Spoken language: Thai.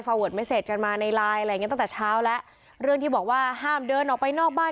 เวิร์ดเมสเซจกันมาในไลน์อะไรอย่างเงี้ตั้งแต่เช้าแล้วเรื่องที่บอกว่าห้ามเดินออกไปนอกบ้าน